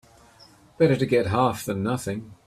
Better to get half than nothing.